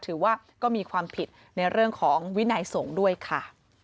ถือว่าก็มีความผิดในเรื่องของวินัยสงฆ์ด้วยค่ะ